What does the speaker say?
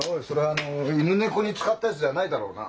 あの犬猫に使ったやつじゃないだろうな？